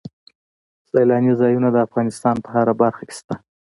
سیلاني ځایونه د افغانستان په هره برخه کې شته.